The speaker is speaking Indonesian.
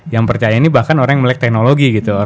yang percaya ini bahkan orang yang melek teknologi gitu